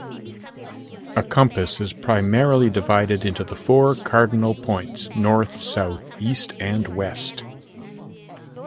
A compass is primarily divided into the four cardinal points-north, south, east, and west.